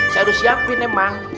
saya udah siapin emang